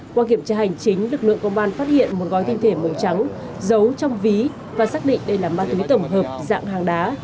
qua kiểm tra hành chính lực lượng công an phát hiện một gói tinh thể màu trắng giấu trong ví và xác định đây là ma túy tổng hợp dạng hàng đá